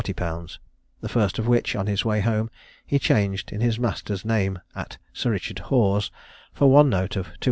_; the first of which, in his way home, he changed in his master's name, at Sir Richard Hoare's, for one note of 200_l.